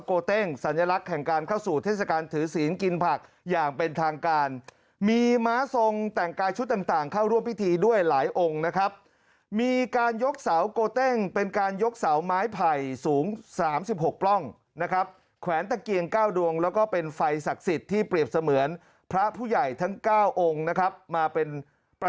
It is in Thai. เต้งสัญลักษณ์แห่งการเข้าสู่เทศกาลถือศีลกินผักอย่างเป็นทางการมีม้าทรงแต่งกายชุดต่างเข้าร่วมพิธีด้วยหลายองค์นะครับมีการยกเสาโกเต้งเป็นการยกเสาไม้ไผ่สูง๓๖ปล้องนะครับแขวนตะเกียงเก้าดวงแล้วก็เป็นไฟศักดิ์สิทธิ์ที่เปรียบเสมือนพระผู้ใหญ่ทั้ง๙องค์นะครับมาเป็นประ